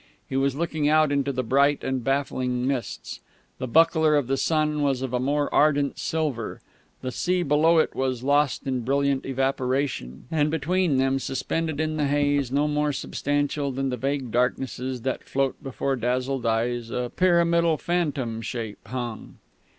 He was looking out into the bright and baffling mists. The buckler of the sun was of a more ardent silver; the sea below it was lost in brilliant evaporation; and between them, suspended in the haze, no more substantial than the vague darknesses that float before dazzled eyes, a pyramidal phantom shape hung.